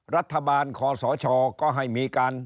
รัฐบาลคอสชก็ให้มีการ